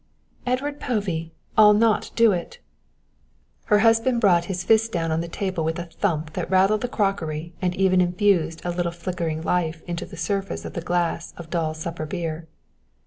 "Edward Povey, I'll not do it." Her husband brought his fist down on the table with a thump that rattled the crockery and even infused a little flickering life into the surface of the glass of dull supper beer.